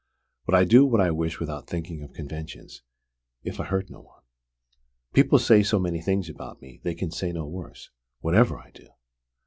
But I do what I wish without thinking of conventions, if I hurt no one. People say so many things about me, they can say no worse, whatever I do!